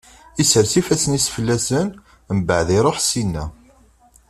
Isers ifassen-is fell-asen, mbeɛd iṛuḥ syenna.